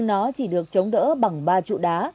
nó chỉ được chống đỡ bằng ba trụ đá